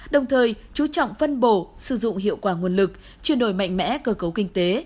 đồng thời chú trọng phân bổ sử dụng hiệu quả nguồn lực chuyên đổi mạnh mẽ cơ cấu kinh tế